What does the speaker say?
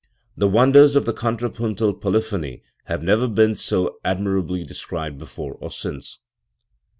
The wonders of contrapuntal polyphony have never been so admirably described before or since.